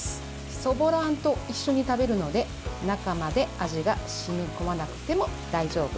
そぼろあんと一緒に食べるので中まで味が染み込まなくても大丈夫。